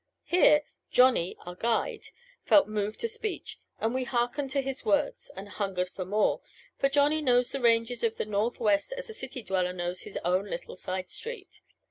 Here, Johnny, our guide, felt moved to speech, and we hearkened to his words and hungered for more, for Johnny knows the ranges of the Northwest as a city dweller knows his own little side street.